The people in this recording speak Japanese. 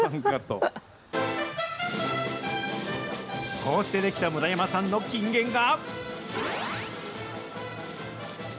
こうして出来た村山さんの金言が。